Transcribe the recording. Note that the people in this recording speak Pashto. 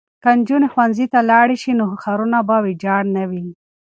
که نجونې ښوونځي ته لاړې شي نو ښارونه به ویجاړ نه وي.